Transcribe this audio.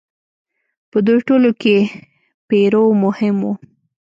په دوی ټولو کې پیرو مهم و.